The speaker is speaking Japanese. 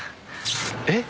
えっ？